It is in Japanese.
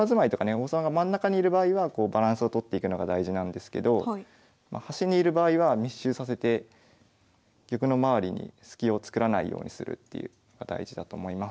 王様が真ん中にいる場合はバランスを取っていくのが大事なんですけど端にいる場合は密集させて玉の周りにスキを作らないようにするっていうのが大事だと思います。